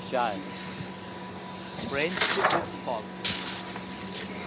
CXLIII. FRIENDSHIP WITH FOXES.